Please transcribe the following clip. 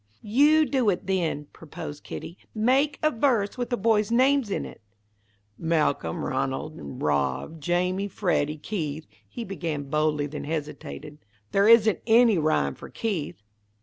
"You do it, then," proposed Kitty. "Make a verse with the boys' names in it." "Malcolm, Ranald, and Rob, Jamie, Freddy, Keith," he began, boldly, then hesitated. "There isn't any rhyme for Keith."